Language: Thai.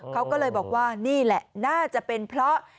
เขาก็เลยบอกว่านี่แหละน่าจะเป็นเพราะ